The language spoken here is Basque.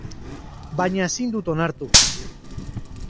Baina ezin dut onartu.